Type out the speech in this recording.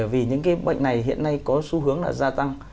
vì những cái bệnh này hiện nay có xu hướng là gia tăng